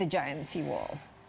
jadi kita butuh jalan laut besar